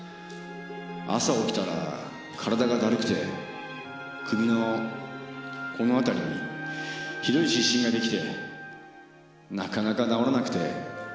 朝起きたら体がだるくて首のこの辺りにひどい湿疹ができてなかなか治らなくて。